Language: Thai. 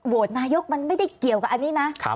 นายกมันไม่ได้เกี่ยวกับอันนี้นะ